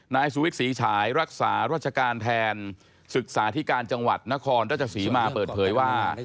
นายสุวิทย์ศรีฉายรักษารัชการแทนศึกษาที่การจังหวัดนครราชศรีมาเปิดเผยว่า